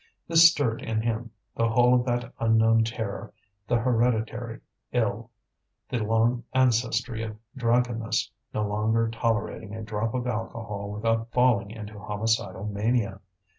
This stirred in him the whole of that unknown terror, the hereditary ill, the long ancestry of drunkenness, no longer tolerating a drop of alcohol without falling into homicidal mania.